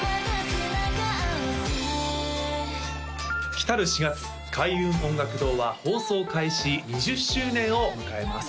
来たる４月開運音楽堂は放送開始２０周年を迎えます